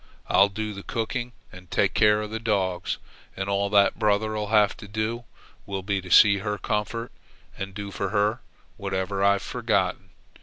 I'll do the cooking and take care of the dogs, and all that brother'll have to do will be to see to her comfort and do for her whatever I've forgotten.